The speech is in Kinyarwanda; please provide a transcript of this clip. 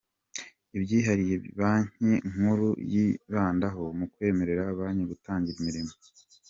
Ibyihariye banki nkuru yibandaho mu kwemerera banki gutangira imirimo